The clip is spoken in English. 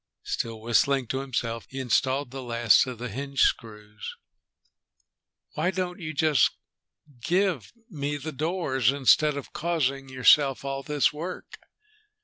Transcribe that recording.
Still whistling to himself, he installed the last of the hinge screws. "Why don't you just give me the doors, instead of causing yourself all this work?"